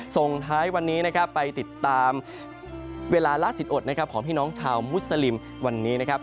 ส่งท้ายวันนี้ไปติดตามเวลาล่าสิทธิ์อดของพี่น้องชาวมุสลิมวันนี้